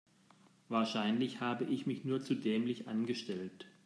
Wahrscheinlich habe ich mich nur zu dämlich angestellt.